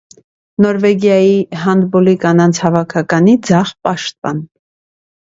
Նորվեգիայի հանդբոլի կանանց հավաքականի ձախ պաշտպան։